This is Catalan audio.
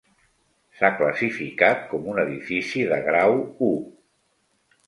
S'ha classificat com un edifici de grau u.